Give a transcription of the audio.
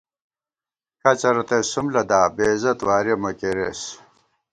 کھڅہ رتئ سُم لدا ، بےعزت وارِیَہ مہ کېرېس